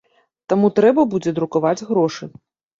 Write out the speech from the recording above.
Таму трэба будзе друкаваць грошы.